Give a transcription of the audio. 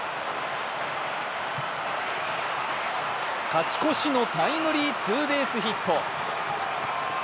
勝ち越しのタイムリーツーベースヒット。